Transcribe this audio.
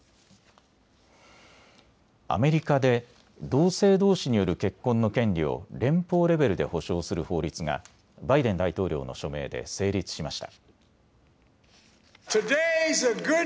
アメリカで同性どうしによる結婚の権利を連邦レベルで保障する法律がバイデン大統領の署名で成立しました。